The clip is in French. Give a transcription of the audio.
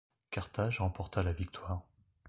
Carthage remporta la victoire.